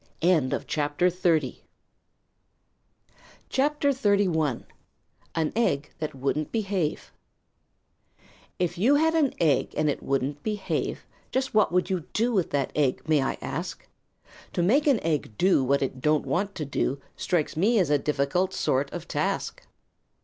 CHAPTER XXXI: An Egg That Wouldn't Behave If you had an egg and it wouldn't behave Just what would you do with that egg, may I ask? To make an egg do what it don't want to do Strikes me like a difficult sort of a task.